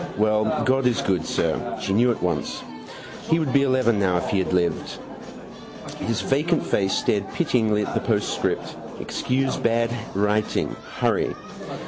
Well, God is good, sir. She knew at once. He would be eleven now if he had lived. His vacant face stared pityingly at the postscript. Excuse bad writing. Hurry.